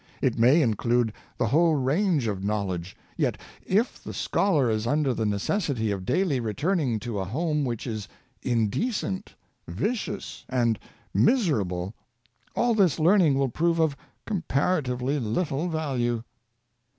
It may include the whole range of knowledge; yet if the scholar is under the necessity of daily returning to a home which is indecent, vicious, and miserable, all this learning will prove of comparatively little value.